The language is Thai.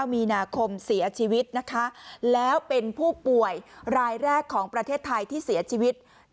มีนาคมเสียชีวิตนะคะแล้วเป็นผู้ป่วยรายแรกของประเทศไทยที่เสียชีวิต